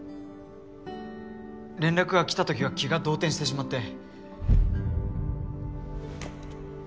連絡が来たときは気が動転してしまって。